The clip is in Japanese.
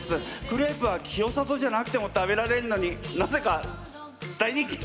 クレープは清里じゃなくても食べられるのになぜか大人気。